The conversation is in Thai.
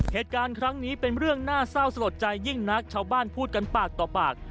เหตุการณ์ครั้งนี้เป็นเรื่องน่าเศร้าสลดใจยิ่งนักชาวบ้านพูดกันปากต่อปาก